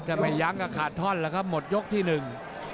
จะไปยังก็ขาดท่อนละครับบทยกที่หนึ่ง